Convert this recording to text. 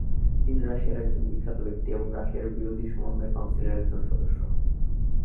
তিনি রাশিয়ার একজন বিখ্যাত ব্যক্তি এবং রাশিয়ান বিরোধী সমন্বয় কাউন্সিলের একজন সদস্য।